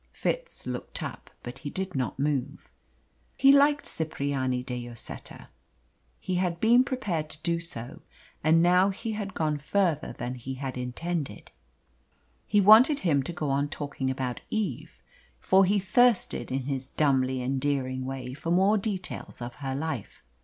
Fitz looked up, but he did not move. He liked Cipriani de Lloseta. He had been prepared to do so, and now he had gone further than he had intended. He wanted him to go on talking about Eve, for he thirsted in his dumbly enduring way for more details of her life.